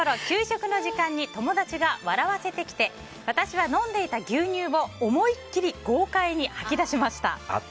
給食の時間に友達が笑わせてきて私は飲んでいた牛乳を思いっきり豪快に吹き出しました。